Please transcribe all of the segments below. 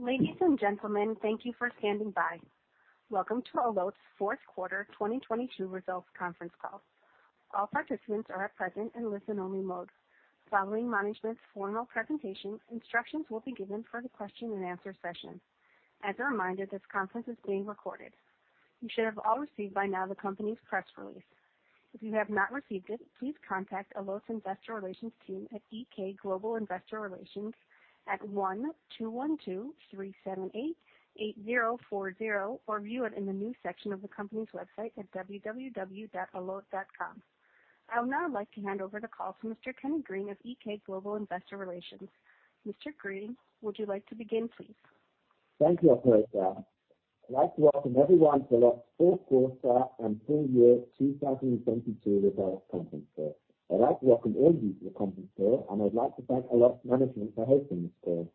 Ladies and gentlemen, thank you for standing by. Welcome to Allot's fourth quarter 2022 results conference call. All participants are at present in listen only mode. Following management's formal presentation, instructions will be given for the question and answer session. As a reminder, this conference is being recorded. You should have all received by now the company's press release. If you have not received it, please contact Allot's investor relations team at EK Global Investor Relations at 1-212-378-8040 or view it in the new section of the company's website at www.allot.com. I would now like to hand over the call to Mr. Kenny Green of EK Global Investor Relations. Mr. Green, would you like to begin, please? Thank you, operator. I'd like to welcome everyone to Allot's fourth quarter and full year 2022 results conference call. I'd like to welcome all of you to the conference call, and I'd like to thank Allot's management for hosting this call.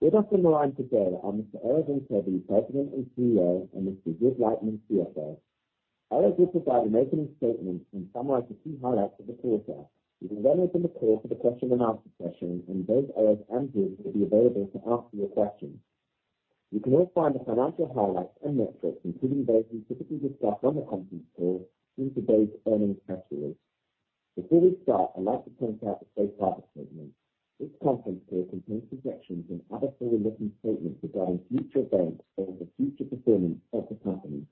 With us on the line today are Mr. Erez Antebi, President and CEO, and Mr. Ziv Lichtman, CFO. Erez will provide an opening statement and summarize the key highlights of the quarter. We will then open the call to the question and answer session, and both Erez and Ziv will be available to answer your questions. You can all find the financial highlights and metrics, including those we typically discuss on the conference call in today's earnings press release. Before we start, I'd like to point out the safe harbor statement. This conference may contain projections and other forward-looking statements regarding future events or the future performance of the company.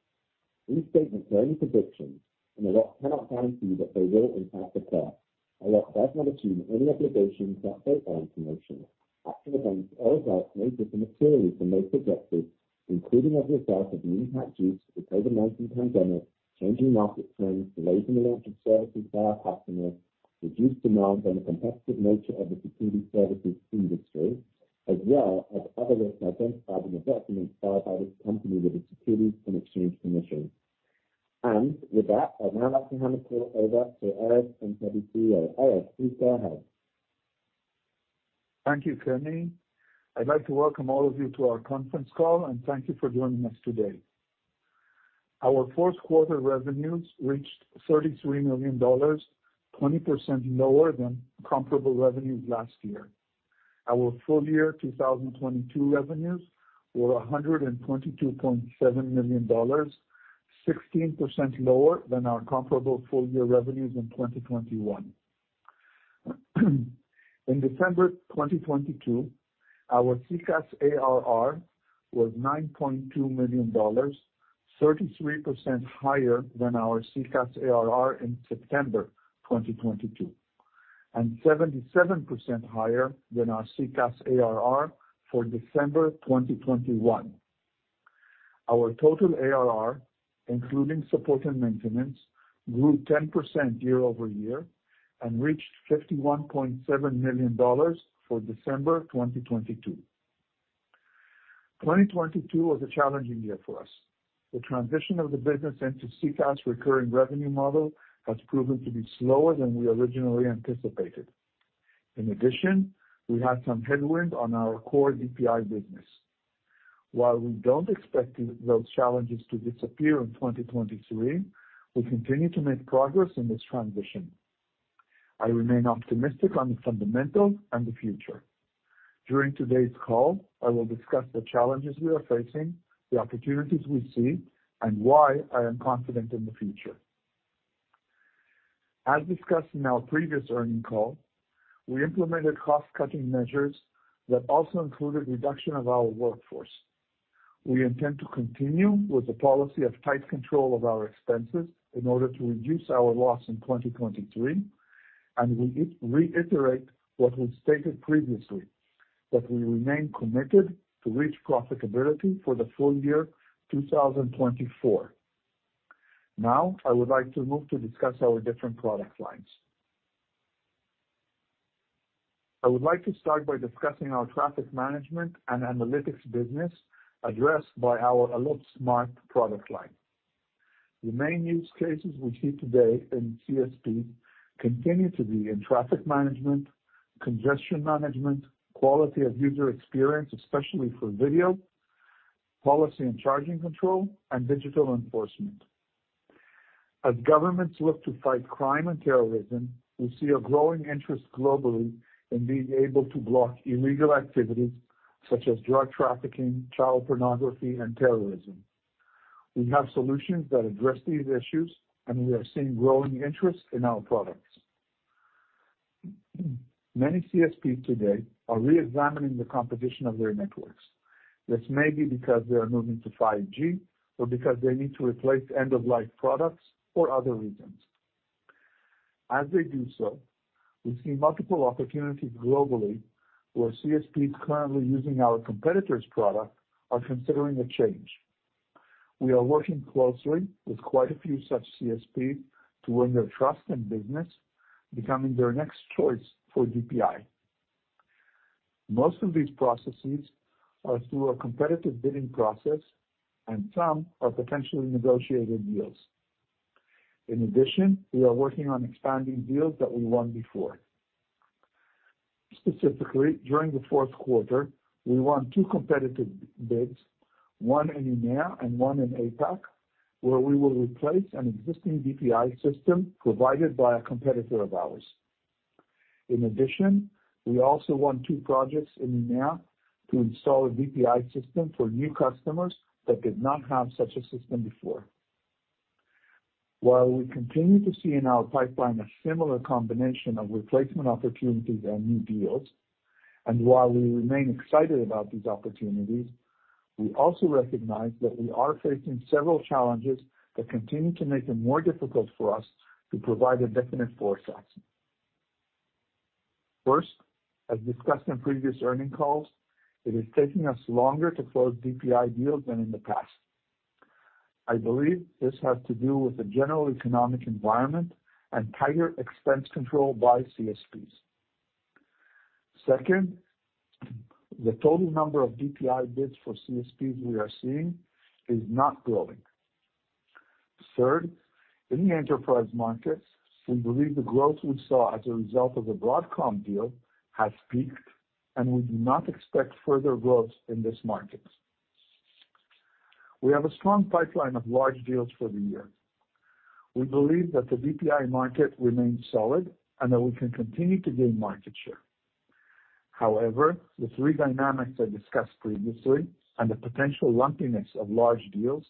These statements are only predictions, and Allot cannot guarantee that they will, in fact, occur. Allot does not assume any obligation to update forward-looking statements. Actual events or results may differ materially from those projected, including as a result of the impact due to the COVID-19 pandemic, changing market trends, delays in the launch of services by our customers, reduced demand, and the competitive nature of the security services industry, as well as others identified in the documents filed by this company with the Securities and Exchange Commission. With that, I'd now like to hand the call over to Erez Antebi, CEO. Erez, please go ahead. Thank you, Kenny. I'd like to welcome all of you to our conference call and thank you for joining us today. Our fourth quarter revenues reached $33 million, 20% lower than comparable revenues last year. Our full year 2022 revenues were $122.7 million, 16% lower than our comparable full year revenues in 2021. In December 2022, our CCaaS ARR was $9.2 million, 33% higher than our CCaaS ARR in September 2022, and 77% higher than our CCaaS ARR for December 2021. Our total ARR, including support and maintenance, grew 10% year-over-year and reached $51.7 million for December 2022. 2022 was a challenging year for us. The transition of the business into CCaaS recurring revenue model has proven to be slower than we originally anticipated. In addition, we had some headwind on our core DPI business. While we don't expect those challenges to disappear in 2023, we continue to make progress in this transition. I remain optimistic on the fundamentals and the future. During today's call, I will discuss the challenges we are facing, the opportunities we see, and why I am confident in the future. As discussed in our previous earning call, we implemented cost-cutting measures that also included reduction of our workforce. We intend to continue with the policy of tight control of our expenses in order to reduce our loss in 2023, and we reiterate what we stated previously, that we remain committed to reach profitability for the full year 2024. I would like to move to discuss our different product lines. I would like to start by discussing our traffic management and analytics business addressed by our Allot Smart product line. The main use cases we see today in CSP continue to be in traffic management, congestion management, quality of user experience, especially for video, policy and charging control, and digital enforcement. As governments look to fight crime and terrorism, we see a growing interest globally in being able to block illegal activities such as drug trafficking, child pornography, and terrorism. We have solutions that address these issues, and we are seeing growing interest in our products. Many CSPs today are reexamining the composition of their networks. This may be because they are moving to 5G or because they need to replace end-of-life products or other reasons. As they do so, we see multiple opportunities globally where CSPs currently using our competitor's product are considering a change. We are working closely with quite a few such CSP to win their trust and business, becoming their next choice for DPI. Most of these processes are through a competitive bidding process and some are potentially negotiated deals. In addition, we are working on expanding deals that we won before. Specifically, during the fourth quarter, we won two competitive bids, one in EMEA and one in APAC, where we will replace an existing DPI system provided by a competitor of ours. In addition, we also won two projects in EMEA to install a DPI system for new customers that did not have such a system before. While we continue to see in our pipeline a similar combination of replacement opportunities and new deals, and while we remain excited about these opportunities, we also recognize that we are facing several challenges that continue to make it more difficult for us to provide a definite forecast. First, as discussed in previous earnings calls, it is taking us longer to close DPI deals than in the past. I believe this has to do with the general economic environment and tighter expense control by CSPs. Second, the total number of DPI bids for CSPs we are seeing is not growing. Third, in the enterprise markets, we believe the growth we saw as a result of the Broadcom deal has peaked, and we do not expect further growth in this market. We have a strong pipeline of large deals for the year. We believe that the DPI market remains solid and that we can continue to gain market share. The three dynamics I discussed previously and the potential lumpiness of large deals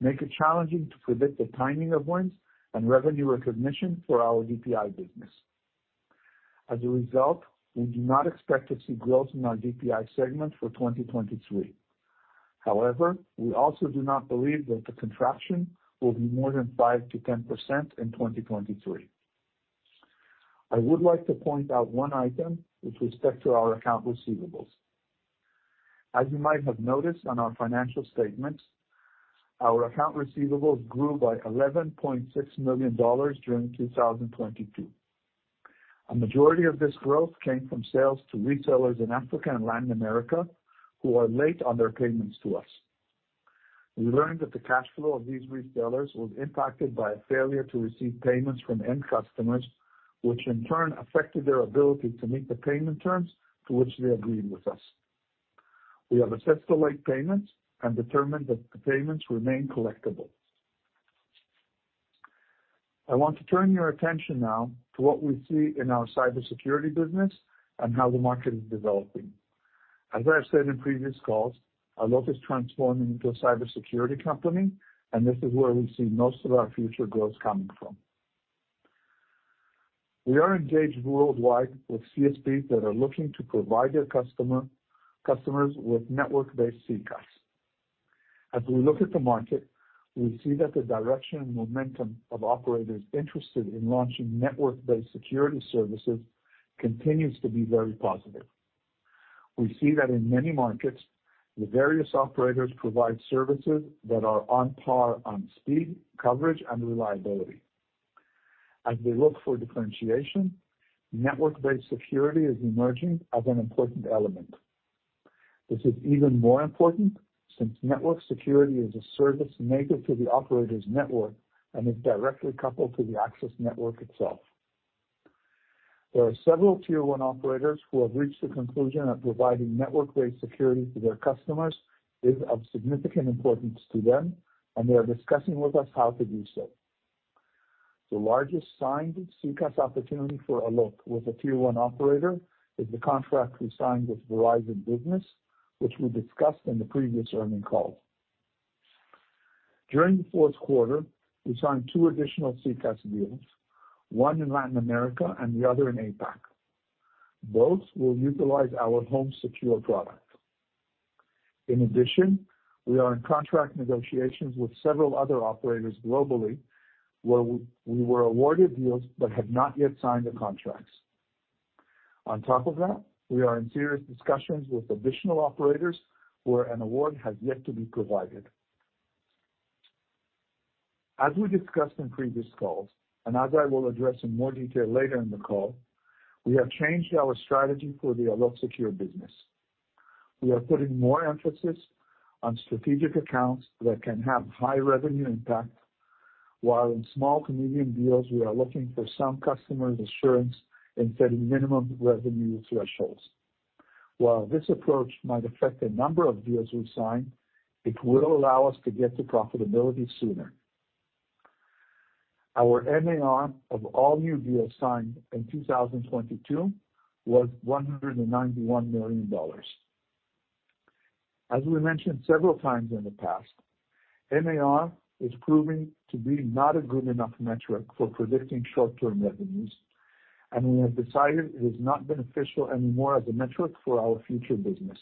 make it challenging to predict the timing of wins and revenue recognition for our DPI business. We do not expect to see growth in our DPI segment for 2023. We also do not believe that the contraction will be more than 5%-10% in 2023. I would like to point out one item with respect to our account receivables. As you might have noticed on our financial statements, our account receivables grew by $11.6 million during 2022. A majority of this growth came from sales to retailers in Africa and Latin America who are late on their payments to us. We learned that the cash flow of these retailers was impacted by a failure to receive payments from end customers, which in turn affected their ability to meet the payment terms to which they agreed with us. We have assessed the late payments and determined that the payments remain collectible. I want to turn your attention now to what we see in our cybersecurity business and how the market is developing. As I have said in previous calls, Allot is transforming into a cybersecurity company, and this is where we see most of our future growth coming from. We are engaged worldwide with CSPs that are looking to provide their customers with network-based CCAs. As we look at the market, we see that the direction and momentum of operators interested in launching network-based security services continues to be very positive. We see that in many markets, the various operators provide services that are on par on speed, coverage, and reliability. As they look for differentiation, network-based security is emerging as an important element. This is even more important since network security is a service native to the operator's network and is directly coupled to the access network itself. There are several tier one operators who have reached the conclusion that providing network-based security to their customers is of significant importance to them, and they are discussing with us how to do so. The largest signed CCaaS opportunity for Allot with a tier one operator is the contract we signed with Verizon Business, which we discussed in the previous earning call. During the fourth quarter, we signed two additional CCaaS deals, one in Latin America and the other in APAC. Both will utilize our HomeSecure product. In addition, we are in contract negotiations with several other operators globally, where we were awarded deals but have not yet signed the contracts. On top of that, we are in serious discussions with additional operators where an award has yet to be provided. As we discussed in previous calls, and as I will address in more detail later in the call, we have changed our strategy for the Allot Secure business. We are putting more emphasis on strategic accounts that can have high revenue impact, while in small to medium deals we are looking for some customers' assurance in setting minimum revenue thresholds. While this approach might affect the number of deals we sign, it will allow us to get to profitability sooner. Our MAR of all new deals signed in 2022 was $191 million. As we mentioned several times in the past, MAR is proving to be not a good enough metric for predicting short-term revenues. We have decided it is not beneficial anymore as a metric for our future business.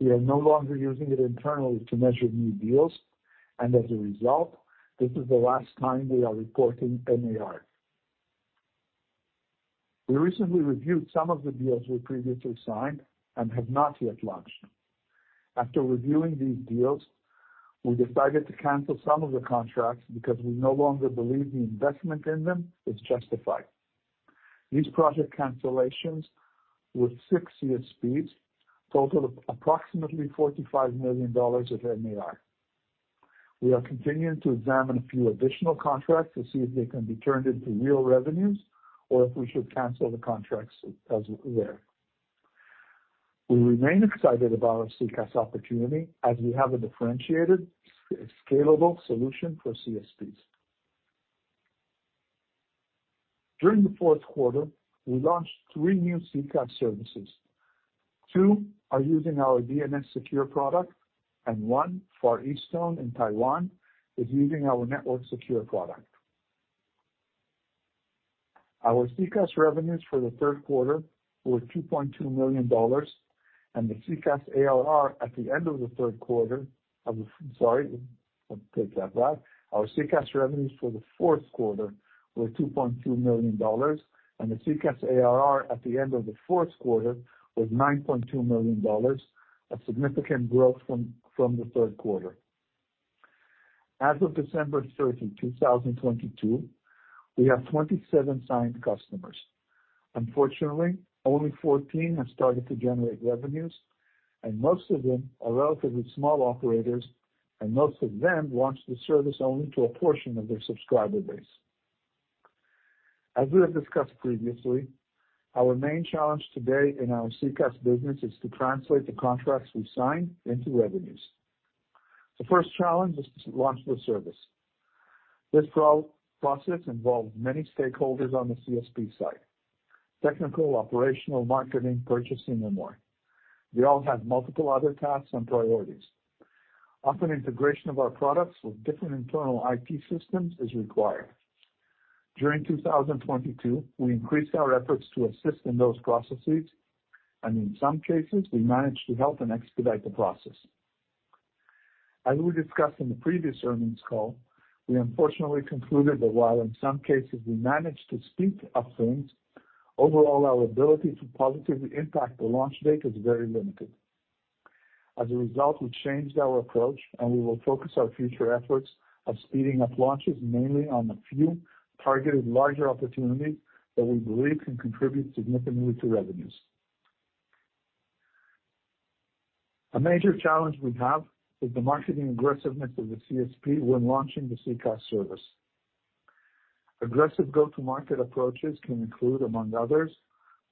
We are no longer using it internally to measure new deals. As a result, this is the last time we are reporting MAR. We recently reviewed some of the deals we previously signed and have not yet launched. After reviewing these deals, we decided to cancel some of the contracts because we no longer believe the investment in them is justified. These project cancellations with 6 CSPs total approximately $45 million of MAR. We are continuing to examine a few additional contracts to see if they can be turned into real revenues or if we should cancel the contracts as well. We remain excited about our CCaaS opportunity as we have a differentiated, scalable solution for CSPs. During the fourth quarter, we launched 3 new CCaaS services. 2 are using our DNSSecure product, and one for Far EasTonein Taiwan, is using our NetworkSecure product. Our CCaaS revenues for the third quarter were $2.2 million, and the CCaaS ARR at the end of the third quarter. Sorry, I take that back. Our CCaaS revenues for the fourth quarter were $2.2 million, and the CCaaS ARR at the end of the fourth quarter was $9.2 million, a significant growth from the third quarter. As of December 30, 2022, we have 27 signed customers. Unfortunately, only 14 have started to generate revenues, and most of them are relatively small operators, and most of them launched the service only to a portion of their subscriber base. As we have discussed previously, our main challenge today in our CCaaS business is to translate the contracts we sign into revenues. The first challenge is to launch the service. This process involves many stakeholders on the CSP side, technical, operational, marketing, purchasing, and more. They all have multiple other tasks and priorities. Often, integration of our products with different internal IT systems is required. During 2022, we increased our efforts to assist in those processes, and in some cases, we managed to help and expedite the process. As we discussed in the previous earnings call, we unfortunately concluded that while in some cases we managed to speed up things, overall, our ability to positively impact the launch date is very limited. As a result, we changed our approach, and we will focus our future efforts of speeding up launches mainly on a few targeted larger opportunities that we believe can contribute significantly to revenues. A major challenge we have is the marketing aggressiveness of the CSP when launching the CCaaS service. Aggressive go-to-market approaches can include, among others,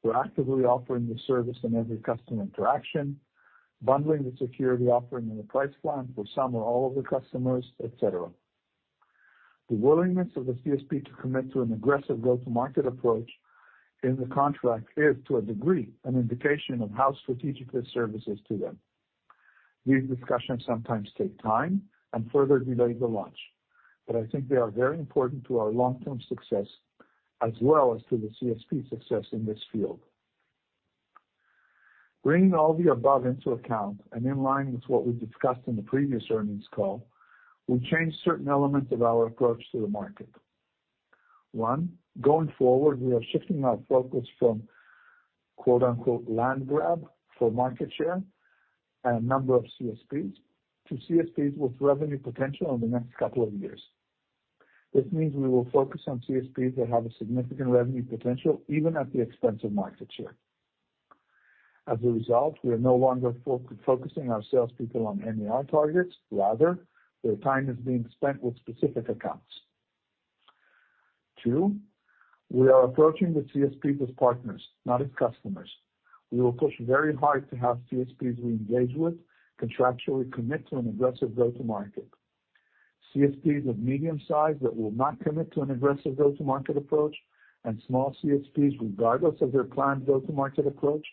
proactively offering the service in every customer interaction, bundling the security offering in the price plan for some or all of the customers, et cetera. The willingness of the CSP to commit to an aggressive go-to-market approach in the contract is, to a degree, an indication of how strategic this service is to them. These discussions sometimes take time and further delay the launch, but I think they are very important to our long-term success, as well as to the CSP success in this field. Bringing all the above into account and in line with what we discussed in the previous earnings call, we changed certain elements of our approach to the market. One, going forward, we are shifting our focus from quote-unquote "land grab" for market share and number of CSPs to CSPs with revenue potential in the next couple of years. This means we will focus on CSPs that have a significant revenue potential, even at the expense of market share. As a result, we are no longer focusing our sales people on NAR targets, rather, their time is being spent with specific accounts. Two, we are approaching the CSPs as partners, not as customers. We will push very hard to have CSPs we engage with contractually commit to an aggressive go-to-market. CSPs of medium size that will not commit to an aggressive go-to-market approach, and small CSPs, regardless of their planned go-to-market approach,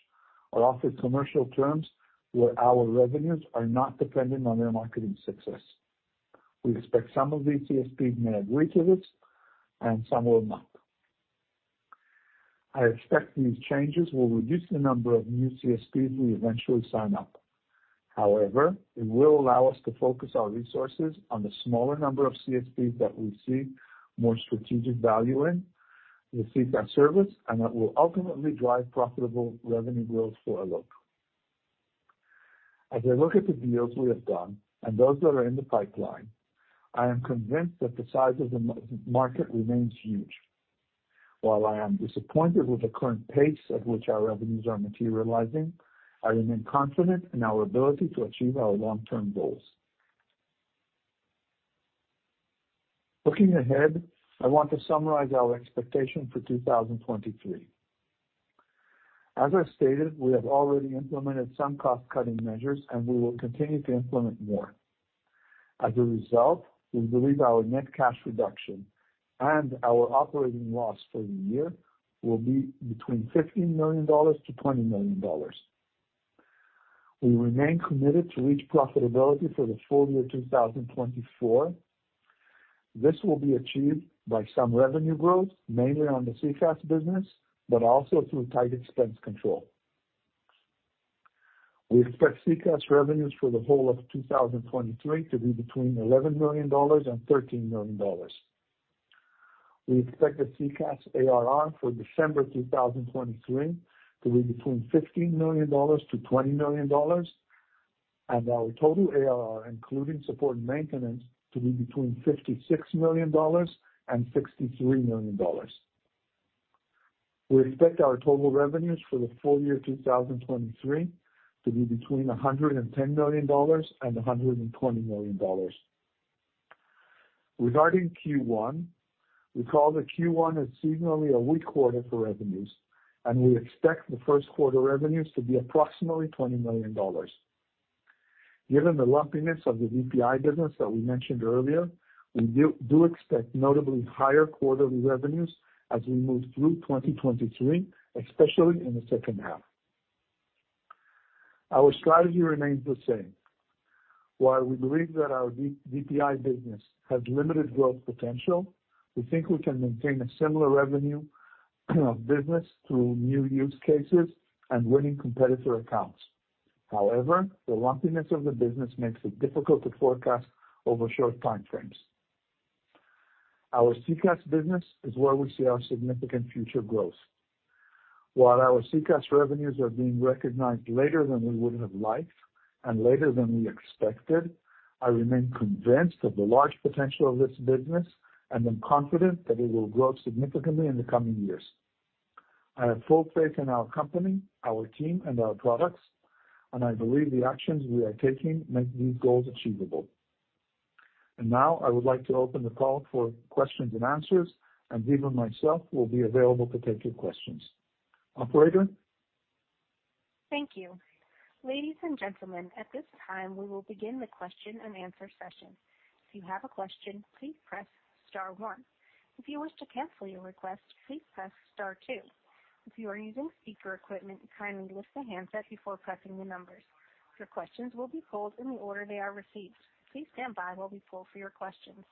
are offered commercial terms where our revenues are not dependent on their marketing success. We expect some of these CSPs may agree to this, and some will not. I expect these changes will reduce the number of new CSPs we eventually sign up. It will allow us to focus our resources on the smaller number of CSPs that we see more strategic value in the CCaaS service, and that will ultimately drive profitable revenue growth for Allot. As I look at the deals we have done and those that are in the pipeline, I am convinced that the size of the market remains huge. While I am disappointed with the current pace at which our revenues are materializing, I remain confident in our ability to achieve our long-term goals. Looking ahead, I want to summarize our expectation for 2023. As I stated, we have already implemented some cost-cutting measures, and we will continue to implement more. As a result, we believe our net cash reduction and our operating loss for the year will be between $15 million-$20 million. We remain committed to reach profitability for the full year 2024. This will be achieved by some revenue growth, mainly on the CCaaS business, but also through tight expense control. We expect CCaaS revenues for the whole of 2023 to be between $11 million and $13 million. We expect the CCaaS ARR for December 2023 to be between $15 million-$20 million, and our total ARR, including support and maintenance, to be between $56 million and $63 million. We expect our total revenues for the full year 2023 to be between $110 million and $120 million. Regarding Q1, we call the Q1 as seasonally a weak quarter for revenues, and we expect the first quarter revenues to be approximately $20 million. Given the lumpiness of the VPI business that we mentioned earlier, we do expect notably higher quarterly revenues as we move through 2023, especially in the second half. Our strategy remains the same. While we believe that our V-VPI business has limited growth potential, we think we can maintain a similar revenue business through new use cases and winning competitor accounts. However, the lumpiness of the business makes it difficult to forecast over short timeframes. Our CCaaS business is where we see our significant future growth. While our CCaaS revenues are being recognized later than we would have liked and later than we expected, I remain convinced of the large potential of this business and I'm confident that it will grow significantly in the coming years. I have full faith in our company, our team, and our products, and I believe the actions we are taking make these goals achievable. Now I would like to open the call for questions and answers, and Viva and myself will be available to take your questions. Operator? Thank you. Ladies and gentlemen, at this time, we will begin the question and answer session. If you have a question, please press star one. If you wish to cancel your request, please press star two. If you are using speaker equipment, kindly lift the handset before pressing the numbers. Your questions will be pulled in the order they are received. Please stand by while we pull for your questions.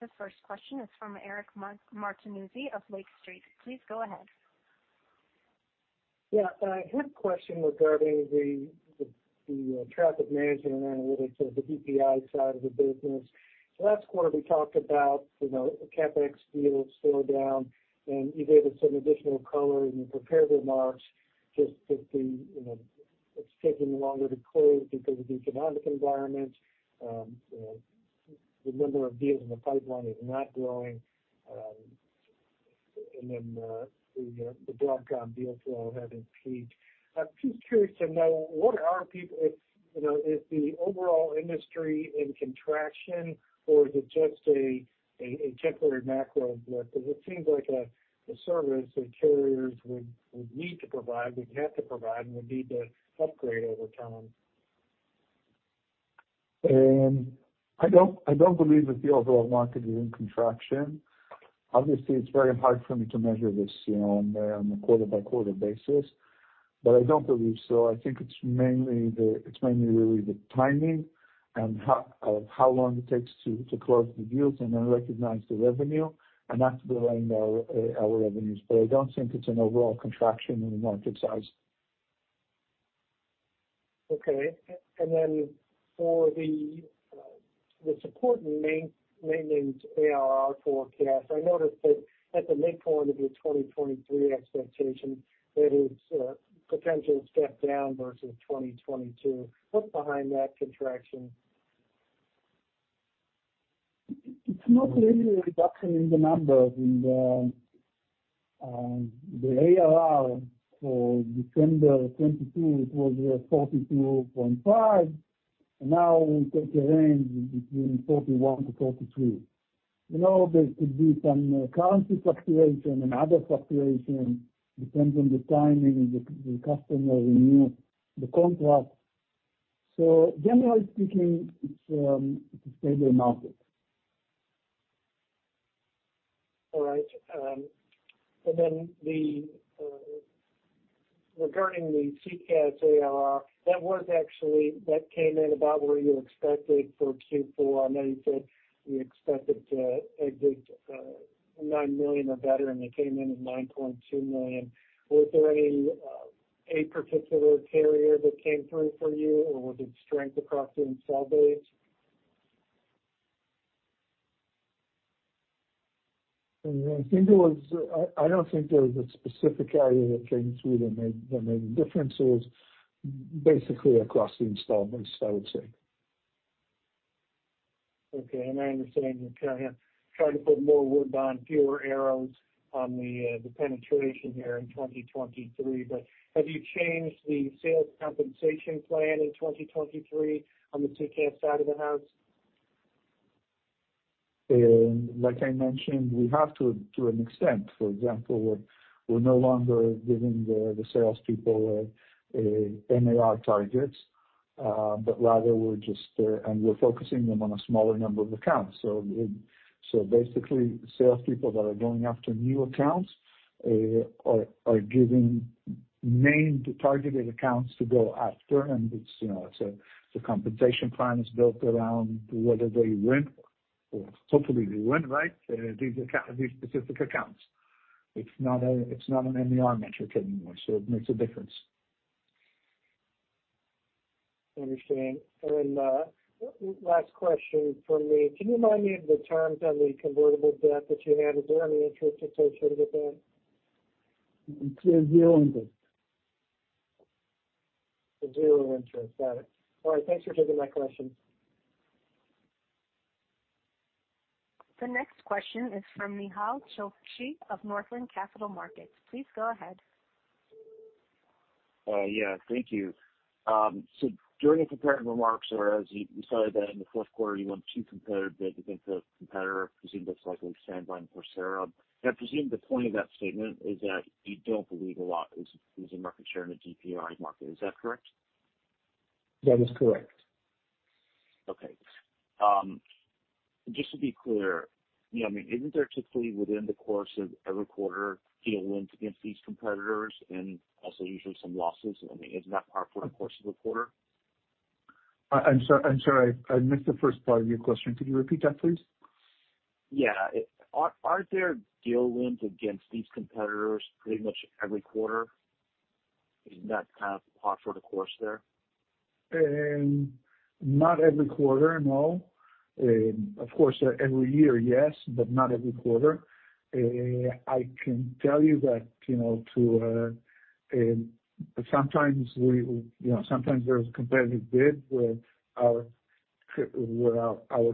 The first question is from Eric Martinuzzi of Lake Street. Please go ahead. Yeah. I had a question regarding the traffic management analytics of the VPI side of the business. Last quarter, we talked about, you know, the CapEx deals slowed down, and you gave us some additional color in your prepared remarks, just that the, you know, it's taking longer to close because of the economic environment, you know, the number of deals in the pipeline is not growing, and then, you know, the Broadcom deals will have been peaked. I'm just curious to know if, you know, is the overall industry in contraction or is it just a temporary macro blip? Because it seems like a service that carriers would need to provide, would have to provide, and would need to upgrade over time. I don't believe the overall market is in contraction. Obviously, it's very hard for me to measure this, you know, on a quarter-by-quarter basis, I don't believe so. I think it's mainly really the timing and how long it takes to close the deals and then recognize the revenue, and that's delaying our revenues. I don't think it's an overall contraction in the market size. Okay. Then for the the support and maintenance ARR forecast, I noticed that at the midpoint of your 2023 expectation, it is potentially a step down versus 2022. What's behind that contraction? It's not really a reduction in the numbers. In the ARR for December 2022, it was $42.5. Now we take a range between $41-$42. You know, there could be some currency fluctuation and other fluctuation, depends on the timing, the customer renew the contract. Generally speaking, it's a stable market. All right. The regarding the CCaaS ARR, that came in about where you expected for Q4. I know you said you expected a good $9 million or better, and it came in at $9.2 million. Was there any a particular carrier that came through for you, or was it strength across the install base? I don't think there was a specific area that came through that made the difference. It was basically across the installments, I would say. Okay. I understand you're kinda trying to put more wood on fewer arrows on the penetration here in 2023. Have you changed the sales compensation plan in 2023 on the CCaaS side of the house? Like I mentioned, we have to an extent. For example, we're no longer giving the sales people NAR targets, but rather we're just. We're focusing them on a smaller number of accounts. Basically, sales people that are going after new accounts, are given named targeted accounts to go after. It's, you know, the compensation plan is built around whether they win or hopefully they win, right, these specific accounts. It's not an NAR metric anymore. It makes a difference. Understand. Last question from me. Can you remind me of the terms on the convertible debt that you had? Is there any interest associated with that? It's a zero interest. A zero interest. Got it. All right. Thanks for taking my question. The next question is from Nehal Chokshi of Northland Capital Markets. Please go ahead. Yeah, thank you. During the prepared remarks or as you said that in the 4th quarter you won 2 competitive bids against a competitor, presumed that's likely Sandvine or Procera. I presume the point of that statement is that you don't believe Allot is in market share in the DPI market. Is that correct? That is correct. Okay. Just to be clear, you know, I mean, isn't there typically within the course of every quarter deal wins against these competitors and also usually some losses? I mean, isn't that par for the course of the quarter? I'm sorry, I missed the first part of your question. Could you repeat that, please? Yeah. Are there deal wins against these competitors pretty much every quarter? Isn't that kind of par for the course there? Not every quarter, no. Of course, every year, yes, but not every quarter. I can tell you that, you know, sometimes we, you know, sometimes there's a competitive bid where our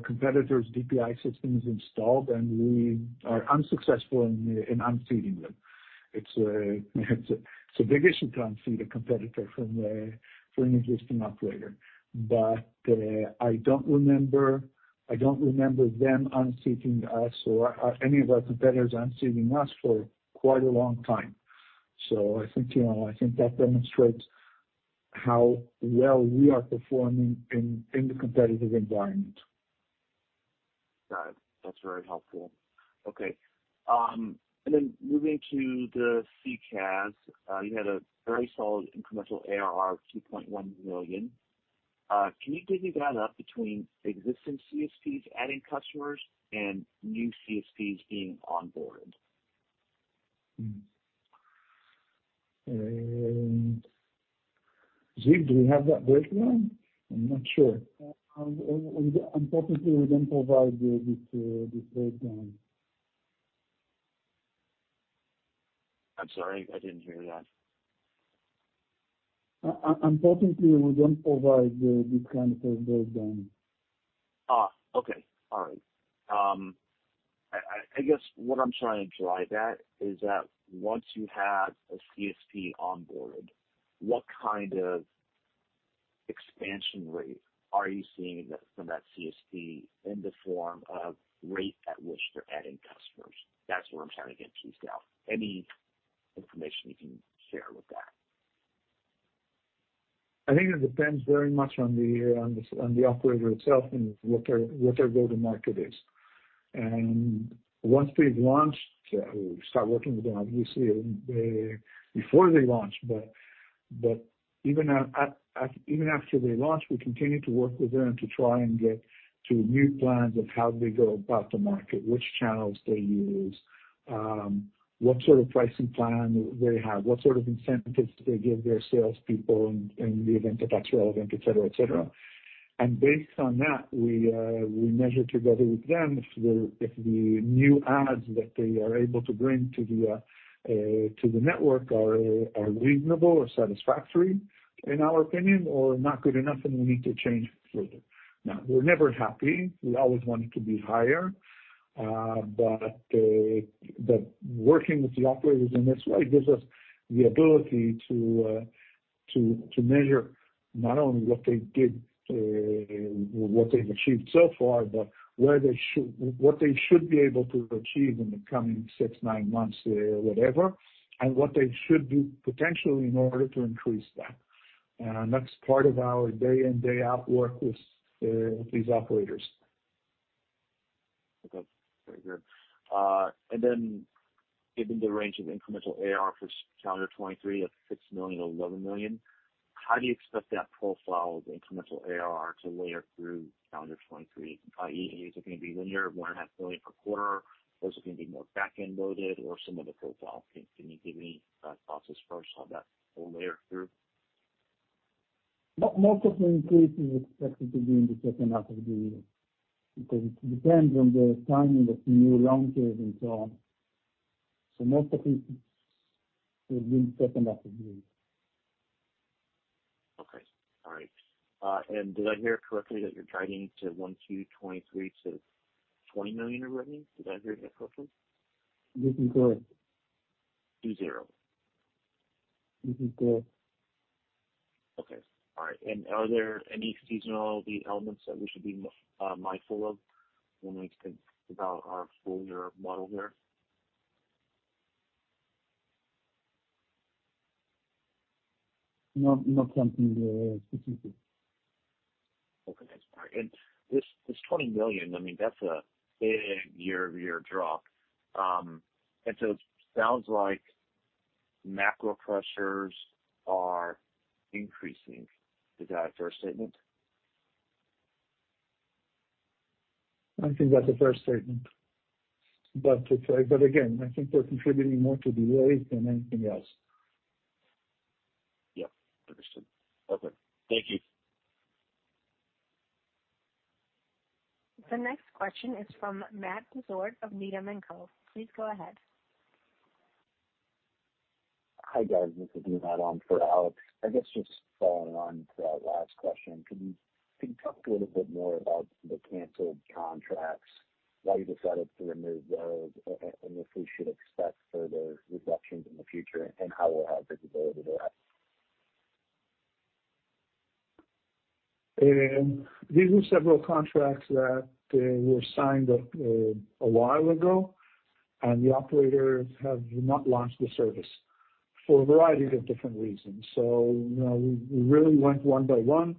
competitor's DPI system is installed, and we are unsuccessful in unseating them. It's a big issue to unseat a competitor from an existing operator. I don't remember them unseating us or any of our competitors unseating us for quite a long time. I think, you know, I think that demonstrates how well we are performing in the competitive environment. Got it. That's very helpful. Okay. Then moving to the CCaaS, you had a very solid incremental ARR of $2.1 million. Can you divvy that up between existing CSPs adding customers and new CSPs being onboarded? Zeke, do we have that breakdown? I'm not sure. Unfortunately, we don't provide the breakdown. I'm sorry, I didn't hear that. Unfortunately, we don't provide this kind of breakdown. Okay. All right. I guess what I'm trying to drive at is that once you have a CSP onboard, what kind of expansion rate are you seeing that, from that CSP in the form of rate at which they're adding customers? That's what I'm trying to get teased out. Any information you can share with that? I think it depends very much on the operator itself and what their go-to-market is. Once they've launched, we start working with them obviously, before they launch, but even at, even after they launch, we continue to work with them to try and get to new plans of how they go about the market, which channels they use, what sort of pricing plan they have, what sort of incentives they give their salespeople in the event that that's relevant, et cetera, et cetera. Based on that, we measure together with them if the new adds that they are able to bring to the network are reasonable or satisfactory in our opinion or not good enough, We need to change further. Now, we're never happy. We always want it to be higher. Working with the operators in this way gives us the ability to measure not only what they did, what they've achieved so far, but what they should be able to achieve in the coming six, nine months, whatever, and what they should do potentially in order to increase that. That's part of our day in, day out work with these operators. Okay. Very good. Given the range of incremental ARR for calendar 2023 of $6 million-$11 million, how do you expect that profile of incremental ARR to layer through calendar 2023? I.e., is it gonna be linear, $1.5 million per quarter? Is it gonna be more back-end loaded or some other profile? Can you give me thoughts as far as how that will layer through? Most of the increase is expected to be in the second half of the year because it depends on the timing of the new launches and so on. Most of it will be in second half of the year. Okay. All right. Did I hear correctly that you're guiding to 1 2 23 to $20 million in revenue? Did I hear that correctly? This is correct. 20? This is correct. Okay. All right. Are there any seasonality elements that we should be mindful of when we think about our full year model there? No, not something, specific. Okay. That's fine. This $20 million, I mean, that's a big year-over-year drop. It sounds like macro pressures are increasing. Is that a fair statement? I think that's a fair statement. Again, I think they're contributing more to delays than anything else. Yeah. Understood. Okay. Thank you. The next question is from Matt Dezort of Needham & Co. Please go ahead. Hi, guys. This is for Alex. I guess just following on to that last question. Could you talk a little bit more about the canceled contracts, why you decided to remove those, and if we should expect further reductions in the future, and how we'll have visibility to that? These are several contracts that were signed a while ago, and the operators have not launched the service for a variety of different reasons. You know, we really went one by one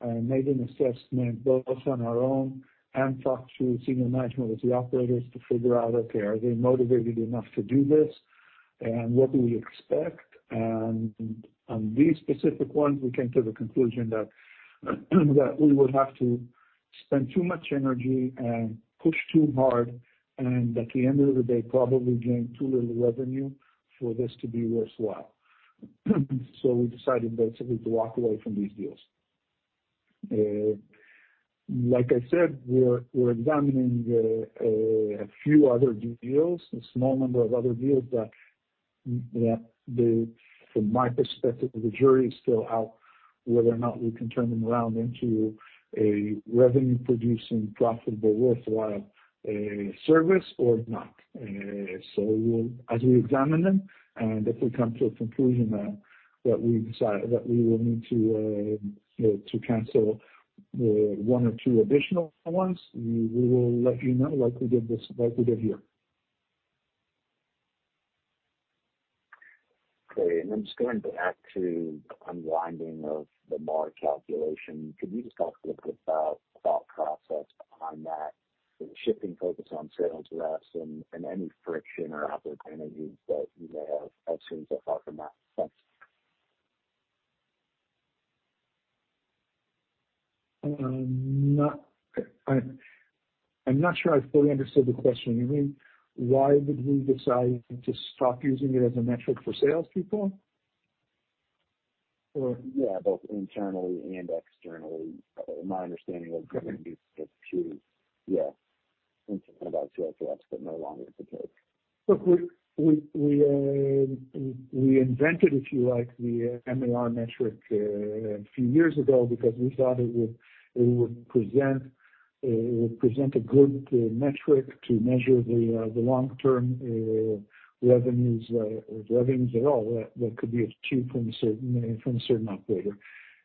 and made an assessment both on our own and talked to senior management of the operators to figure out, okay, are they motivated enough to do this, and what do we expect? On these specific ones, we came to the conclusion that we would have to spend too much energy and push too hard, and at the end of the day, probably gain too little revenue for this to be worthwhile. We decided basically to walk away from these deals. Like I said, we're examining, a few other deals, a small number of other deals that, yeah, from my perspective, the jury is still out whether or not we can turn them around into a revenue-producing, profitable, worthwhile, service or not. As we examine them, and if we come to a conclusion that we will need to, you know, to cancel, 1 or 2 additional ones, we will let you know like we did this, like we did here. Great. Just going back to unwinding of the MAR calculation. Could you just talk a little bit about thought process behind that, the shifting focus on sales reps and any friction or opportunities that you may have had seen so far from that front? I'm not sure I fully understood the question. You mean why would we decide to stop using it as a metric for sales people? Or... Yeah, both internally and externally. My understanding was going to be the two, yeah, about sales reps, but no longer the case. Look, we invented, if you like, the MAR metric a few years ago because we thought it would present a good metric to measure the long-term revenues or revenues at all that could be achieved from a certain operator.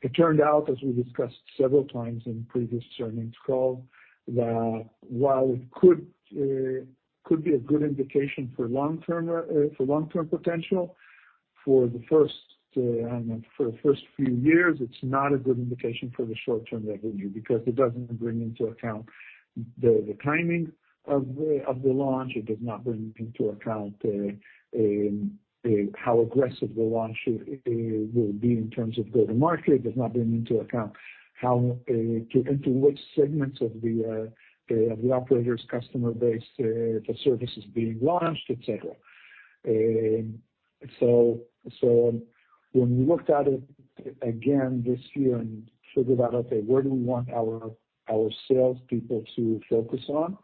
It turned out, as we discussed several times in previous earnings calls, that while it could be a good indication for long-term potential for the first, I don't know, for the first few years, it's not a good indication for the short-term revenue because it doesn't bring into account the timing of the launch. It does not bring into account how aggressive the launch will be in terms of go-to-market. It does not bring into account how into which segments of the operator's customer base the service is being launched, et cetera. When we looked at it again this year and figured out, okay, where do we want our sales people to focus on,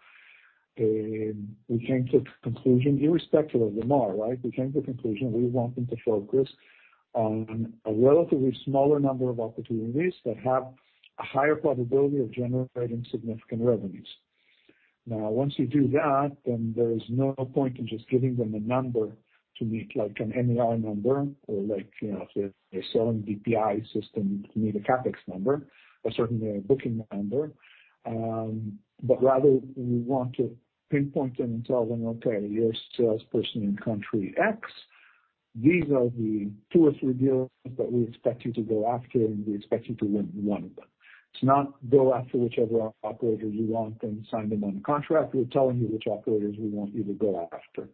we came to the conclusion irrespective of the MAR, right? We came to the conclusion we want them to focus on a relatively smaller number of opportunities that have a higher probability of generating significant revenues. Now, once you do that, then there is no point in just giving them a number to meet, like an MAR number or like, you know, if they're selling DPI system, you need a CapEx number, a certain booking number. Rather we want to pinpoint them and tell them, "Okay, you're a salesperson in country X. These are the two or three deals that we expect you to go after, and we expect you to win one of them." It's not go after whichever operators you want and sign them on a contract. We're telling you which operators we want you to go after.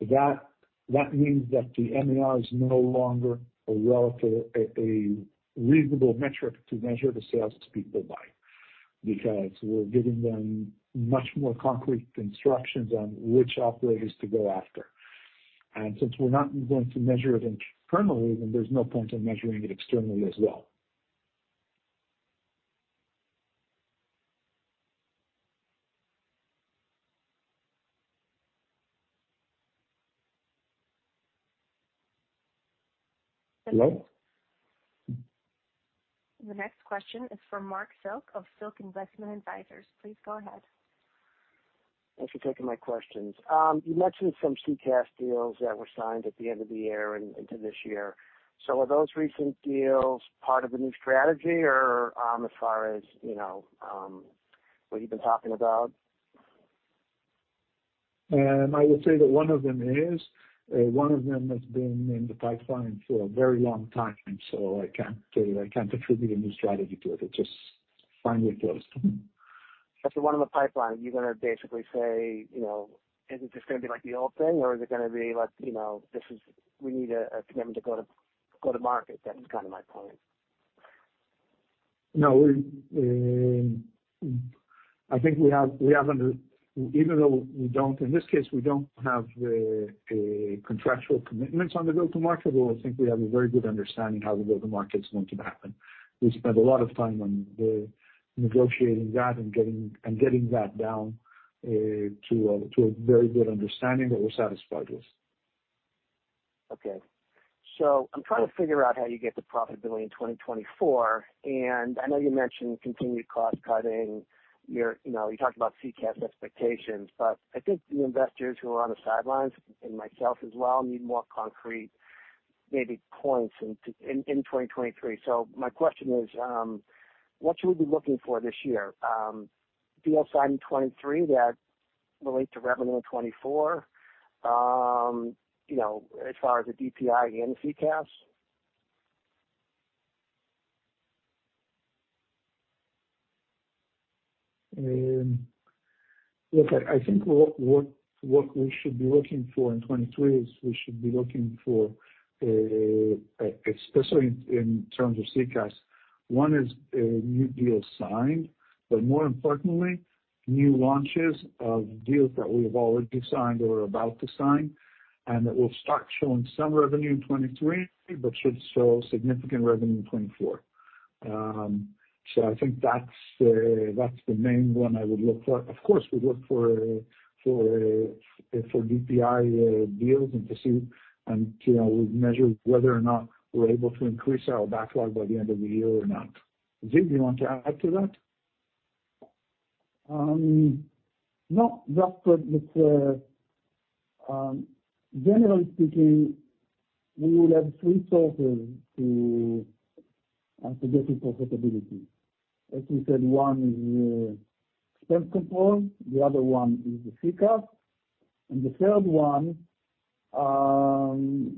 That means that the MAR is no longer a relative, a reasonable metric to measure the salespeople by, because we're giving them much more concrete instructions on which operators to go after. Since we're not going to measure it internally, then there's no point in measuring it externally as well. Hello? The next question is from Marc Silk of Silk Investment Advisors. Please go ahead. Thanks for taking my questions. You mentioned some CCaaS deals that were signed at the end of the year and into this year. Are those recent deals part of the new strategy or, as far as, you know, what you've been talking about? I would say that one of them is. One of them has been in the pipeline for a very long time, so I can't tell you, I can't attribute a new strategy to it. It just finally closed. After one in the pipeline, you're gonna basically say, you know, is it just gonna be like the old thing or is it gonna be like, you know, this is we need a commitment to go to, go to market? That is kind of my point. We, I think we have even though we don't, in this case, we don't have contractual commitments on the go-to-market, but I think we have a very good understanding how the go-to-market's going to happen. We spent a lot of time on negotiating that and getting that down to a very good understanding that we're satisfied with. I'm trying to figure out how you get to profitability in 2024, and I know you mentioned continued cost cutting. You know, you talked about CCAS expectations, but I think the investors who are on the sidelines, and myself as well, need more concrete maybe points in 2023. What should we be looking for this year, deal signed in 2023 that relate to revenue in 2024, you know, as far as the DPI and CCAS? Look, I think what we should be looking for in 23 is we should be looking for, especially in terms of CCaaS, one is a new deal signed, but more importantly, new launches of deals that we have already signed or are about to sign and that will start showing some revenue in 23, but should show significant revenue in 24. I think that's the main one I would look for. Of course, we look for DPI deals and to see. You know, we measure whether or not we're able to increase our backlog by the end of the year or not. Ziv, do you want to add to that? Not much. Generally speaking, we will have three sources to getting profitability. As we said, one is expense control, the other one is the CCaaS, and the third one, from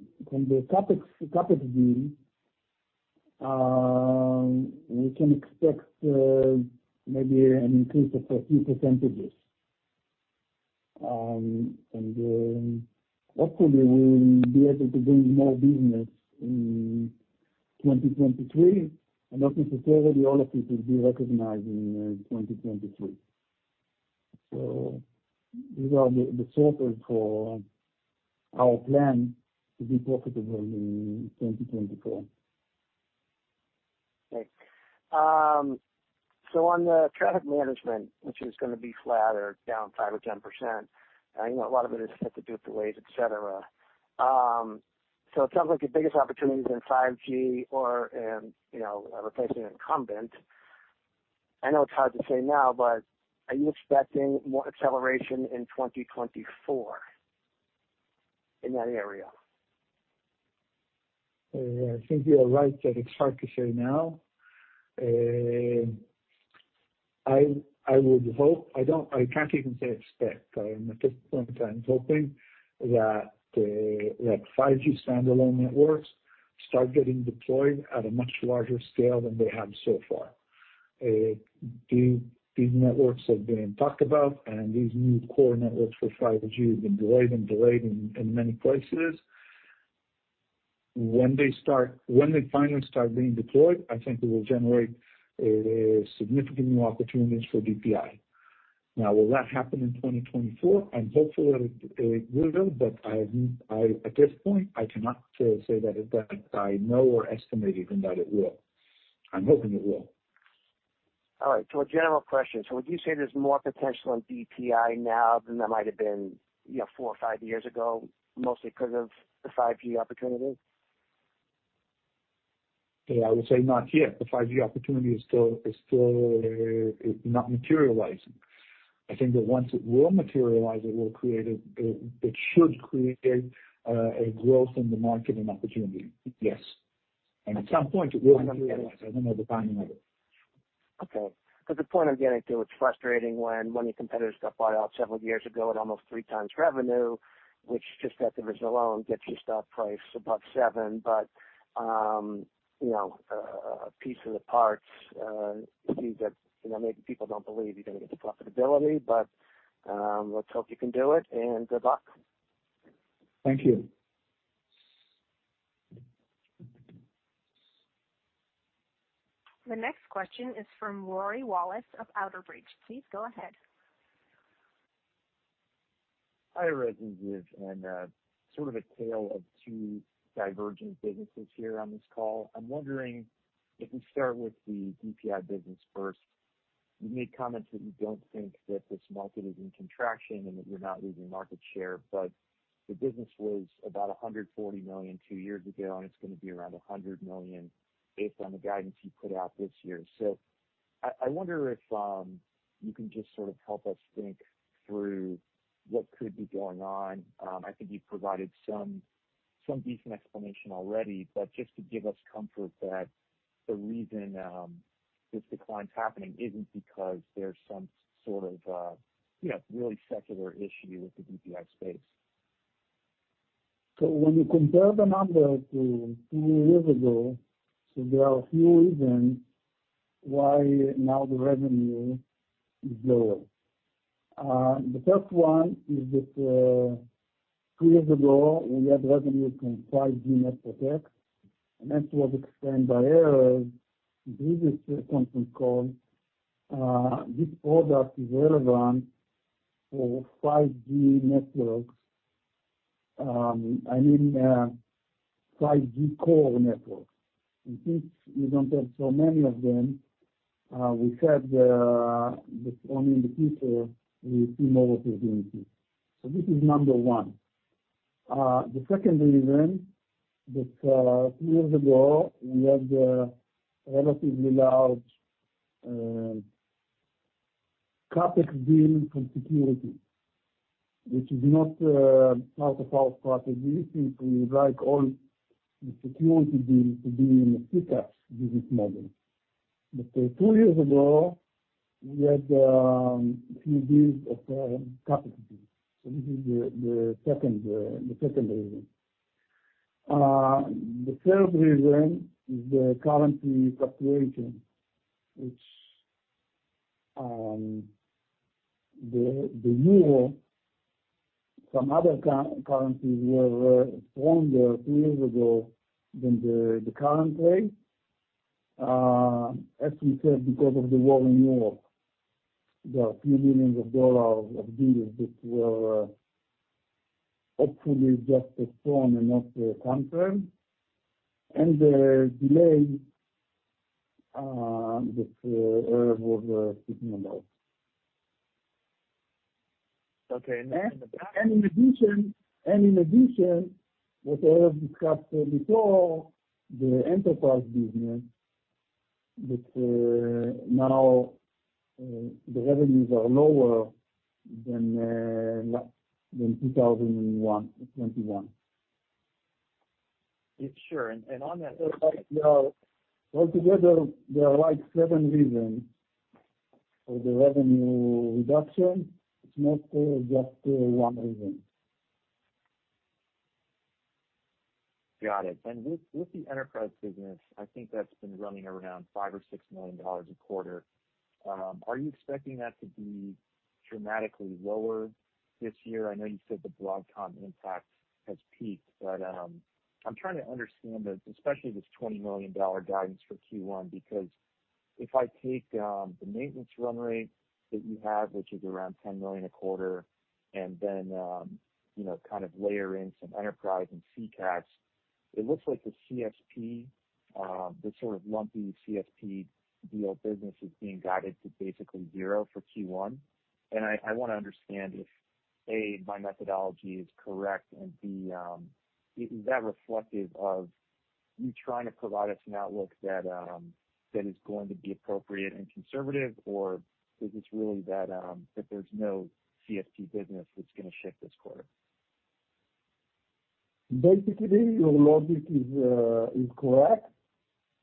the CapEx deal, we can expect maybe an increase of a few percentages. Hopefully, we'll be able to bring more business in 2023, and not necessarily all of it will be recognized in 2023. These are the sources for our plan to be profitable in 2024. Okay. On the traffic management, which is gonna be flat or down 5% or 10%, I know a lot of it has to do with the waves, et cetera. It sounds like your biggest opportunity is in 5G or in, you know, replacing an incumbent. I know it's hard to say now, but are you expecting more acceleration in 2024 in that area? I think you are right that it's hard to say now. I would hope. I can't even say expect. I am, at this point, I'm hoping that 5G standalone networks start getting deployed at a much larger scale than they have so far. These networks have been talked about, and these new core networks for 5G have been delayed and delayed in many places. When they start, when they finally start being deployed, I think it will generate significant new opportunities for DPI. Now, will that happen in 2024? I'm hopeful that it will do, but I've at this point, I cannot say that I know or estimate even that it will. I'm hoping it will. All right. A general question. Would you say there's more potential in DPI now than there might have been, you know, four or five years ago, mostly 'cause of the 5G opportunity? Yeah. I would say not yet. The 5G opportunity is still not materializing. I think that once it will materialize, it will create. It should create a growth in the market and opportunity. Yes. At some point, it will materialize. I don't know the timing of it. Okay. The point I'm getting to, it's frustrating when one of your competitors got bought out several years ago at almost 3x revenue, which just that difference alone gets your stock price above $7. You know, a piece of the parts, it seems that, you know, maybe people don't believe you're gonna get to profitability. Let's hope you can do it, and good luck. Thank you. The next question is from Rory Wallace of Outerbridge. Please go ahead. Hi, Rory Wallace and Ziv Leitman. Sort of a tale of two divergent businesses here on this call. I'm wondering if we start with the DPI business first. You made comments that you don't think that this market is in contraction and that you're not losing market share, but the business was about $140 million two years ago, and it's gonna be around $100 million based on the guidance you put out this year. I wonder if you can just sort of help us think through what could be going on. I think you provided some decent explanation already, but just to give us comfort that the reason this decline's happening isn't because there's some sort of, you know, really secular issue with the DPI space. When you compare the number to two years ago, there are a few reasons why now the revenue is lower. The first one is that, two years ago, we had revenue from 5G Network. As was explained by Erez in the previous conference call, this product is relevant for 5G networks. I mean, 5G core networks. Since we don't have so many of them, we said that only in the future we see more opportunity. This is number one. The second reason that, two years ago, we had a relatively large CapEx deal from security, which is not part of our strategy. We like all the security deal to be in the CTAS business model. Two years ago, we had a few deals of CapEx. This is the second reason. The third reason is the currency fluctuation, which the euro, some other currency were stronger two years ago than the current rate. As we said, because of the war in Europe, there are a few billions of dollar of deals that were hopefully just postponed and not cancelled. The delay that Erev was speaking about. Okay. Then- In addition, what Erev discussed before, the enterprise business that now the revenues are lower than 2021. Yes, sure. On that- altogether, there are like seven reasons for the revenue reduction. It's not just one reason. Got it. With the enterprise business, I think that's been running around $5 million or $6 million a quarter. Are you expecting that to be dramatically lower this year? I know you said the Broadcom impact has peaked, but I'm trying to understand this, especially this $20 million guidance for Q1, because if I take the maintenance run rate that you have, which is around $10 million a quarter, and then, you know, kind of layer in some enterprise and CTAS, it looks like the CSP, the sort of lumpy CSP deal business is being guided to basically zero for Q1. I wanna understand if, A, my methodology is correct, and B, is that reflective of you trying to provide us an outlook that is going to be appropriate and conservative, or is this really that, there's no CSP business that's gonna ship this quarter? Basically, your logic is correct,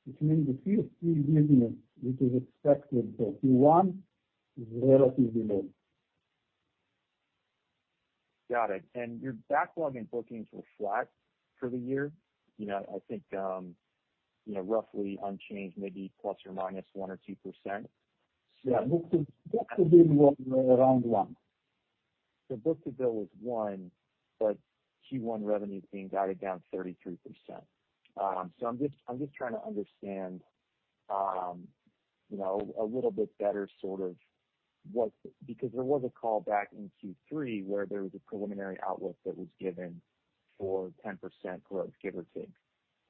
which means the CSP business, which is expected for Q1, is relatively low. Got it. Your backlog and bookings were flat for the year. You know, I think, you know, roughly unchanged, maybe plus or minus 1% or 2%. Yeah. Booked to bill was around one. Book-to-bill was 1. Q1 revenue is being guided down 33%. I'm just trying to understand, you know, a little bit better sort of what... There was a call back in Q3 where there was a preliminary outlook that was given for 10% growth, give or take.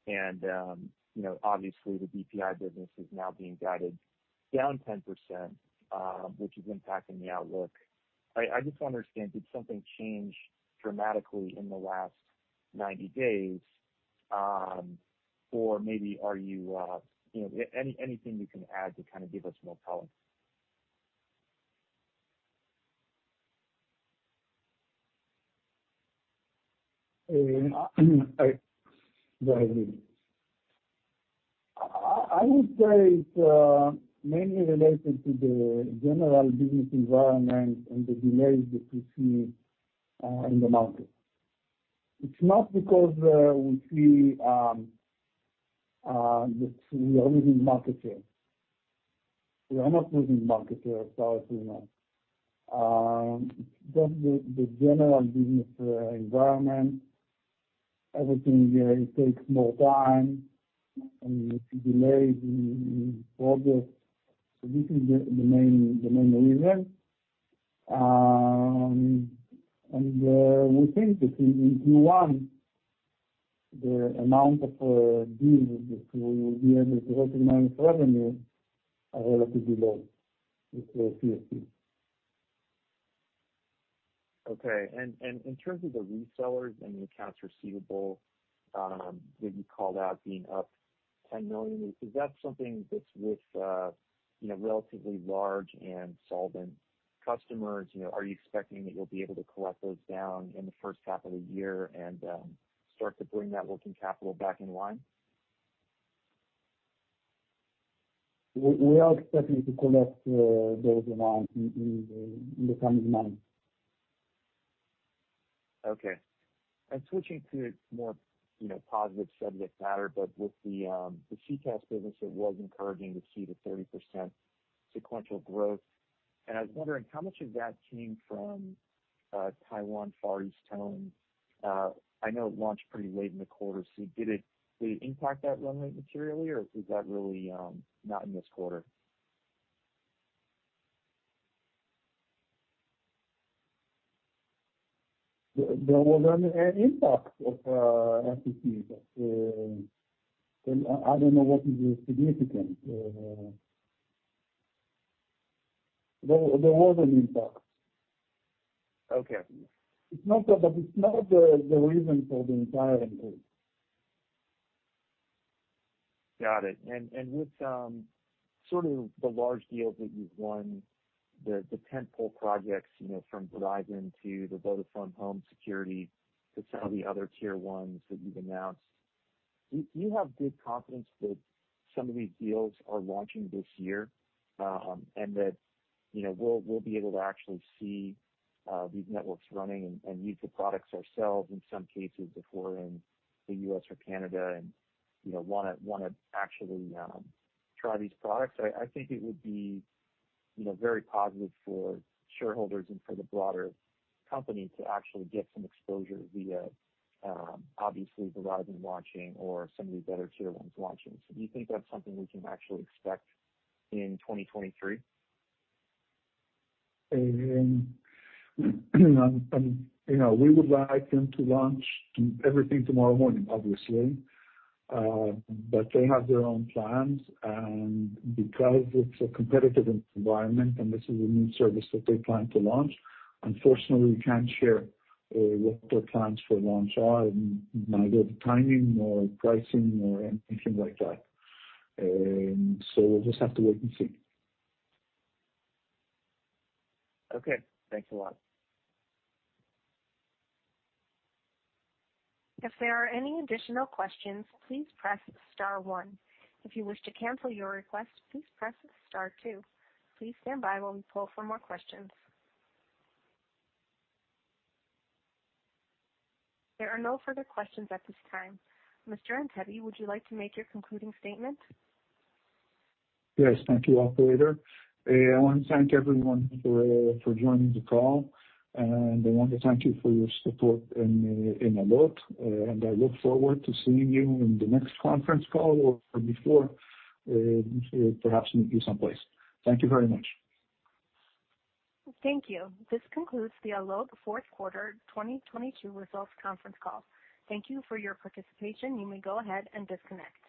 You know, obviously the BPI business is now being guided down 10%, which is impacting the outlook. I just want to understand, did something change dramatically in the last 90 days, or maybe are you know... Anything you can add to kind of give us more color? Go ahead. I would say it's mainly related to the general business environment and the delays that we see in the market. It's not because we see that we are losing market share. We are not losing market share, as far as we know. Just the general business environment, everything takes more time, and we see delays in projects. This is the main reason. We think that in Q1, the amount of deals that we will be able to recognize revenue are relatively low with the CSP. Okay. In terms of the resellers and the accounts receivable, that you called out being up $10 million, is that something that's with, you know, relatively large and solvent customers? You know, are you expecting that you'll be able to collect those down in the first half of the year and start to bring that working capital back in line? We are expecting to collect, those amounts in the coming months. Okay. Switching to more, you know, positive subject matter, but with the CTAS business, it was encouraging to see the 30% sequential growth. I was wondering how much of that came from Taiwan Far EasTone? I know it launched pretty late in the quarter, so did it really impact that run rate materially, or is that really not in this quarter? There was an impact of FTC, but, and I don't know what is the significant. There was an impact. Okay. It's not the reason for the entire impact. Got it. With, sort of the large deals that you've won, the tent pole projects, you know, from Verizon to the Vodafone HomeSecure to some of the other tier ones that you've announced, do you have good confidence that some of these deals are launching this year, and that, you know, we'll be able to actually see, these networks running and use the products ourselves in some cases if we're in the U.S. or Canada and, you know, wanna actually, try these products? I think it would be, you know, very positive for shareholders and for the broader company to actually get some exposure via, obviously Verizon launching or some of these other tier ones launching. Do you think that's something we can actually expect in 2023? You know, we would like them to launch everything tomorrow morning, obviously. They have their own plans, and because it's a competitive environment and this is a new service that they plan to launch, unfortunately we can't share what their plans for launch are, neither the timing nor pricing or anything like that. We'll just have to wait and see. Okay. Thanks a lot. If there are any additional questions, please press star one. If you wish to cancel your request, please press star two. Please stand by while we poll for more questions. There are no further questions at this time. Mr. Antebi, would you like to make your concluding statement? Yes. Thank you, operator. I want to thank everyone for joining the call, and I want to thank you for your support in Allot, and I look forward to seeing you in the next conference call or before, perhaps meet you someplace. Thank you very much. Thank you. This concludes the Allot fourth quarter 2022 results conference call. Thank you for your participation. You may go ahead and disconnect.